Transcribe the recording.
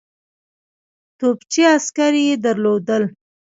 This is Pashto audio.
توپچي عسکر یې درلودل.